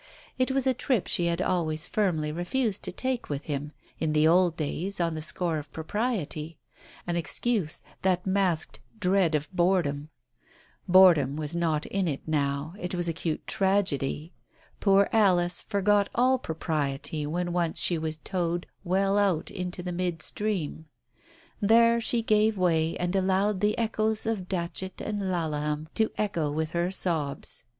It was a trip she had always firmly refused to take with him in the old days on the score of propriety, an excuse that masked dread of boredom. Digitized by Google io TALES OF THE UNEASY Boredom was not in it now — it was acute tragedy. Poor Alice forgot all propriety when once she was towed well out into mid stream. There she gave way and allowed the echoes of Datchet and Laleham to echo with her sobs.